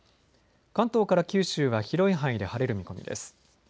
関東から九州は広い範囲で晴れる見込みです。